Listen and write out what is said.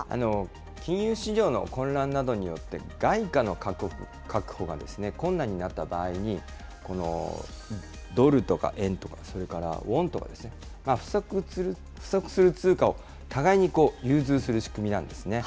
金融市場の混乱などによって、外貨の確保が困難になった場合に、ドルとか円とか、それからウォンとか不足する通貨を互いに融通する仕組みなんですね。